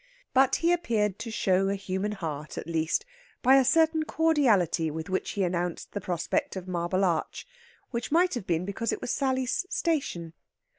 But he appeared to show a human heart, at least, by a certain cordiality with which he announced the prospect of Marble Arch, which might have been because it was Sally's station.